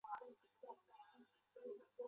加盖福毛加位于萨瓦伊岛北部。